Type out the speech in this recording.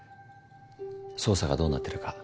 捜査がどうなってるか。